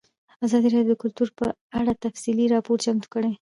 ازادي راډیو د کلتور په اړه تفصیلي راپور چمتو کړی.